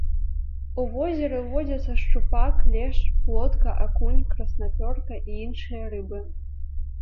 У возеры водзяцца шчупак, лешч, плотка, акунь, краснапёрка і іншыя рыбы.